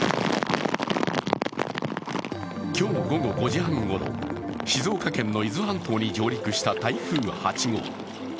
今日午後５時半ごろ、静岡県の伊豆半島に上陸した台風８号。